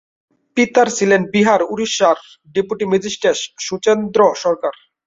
পিতার ছিলেন বিহার-ওড়িশা র ডেপুটি ম্যাজিস্ট্রেট সুরেশচন্দ্র সরকার।